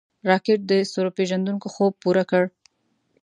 راکټ د ستورپیژندونکو خوب پوره کړ